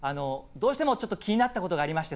どうしてもちょっと気になったことがありまして